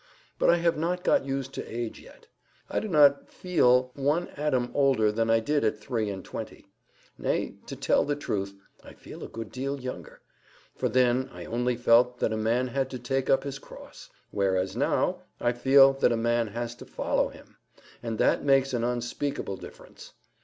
But I have not got used to age yet. I do not FEEL one atom older than I did at three and twenty. Nay, to tell all the truth, I feel a good deal younger.—For then I only felt that a man had to take up his cross; whereas now I feel that a man has to follow Him; and that makes an unspeakable difference.